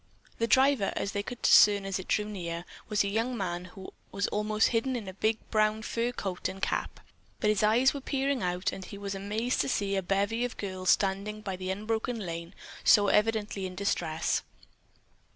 The driver, as they could discern as it drew nearer, was a young man who was almost hidden in a big brown fur coat and cap, but his eyes were peering out and he was amazed to see a bevy of girls standing by the unbroken lane, so evidently in distress.